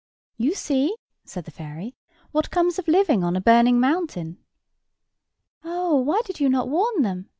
"You see," said the fairy, "what comes of living on a burning mountain." "Oh, why did you not warn them?"